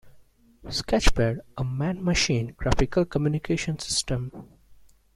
"Sketchpad: A Man-Machine Graphical Communication System".